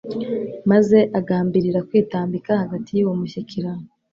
Maze agambirira kwitambika hagati y'uwo mushyikirano.